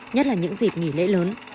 nhất là những dịp nghỉ lễ lớn